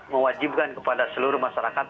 mewajibkan kepada seluruh masyarakat